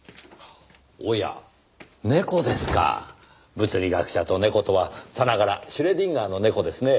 物理学者と猫とはさながらシュレディンガーの猫ですねぇ。